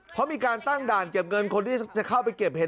เพราะมีการตั้งด่านเก็บเงินคนที่จะเข้าไปเก็บเห็ด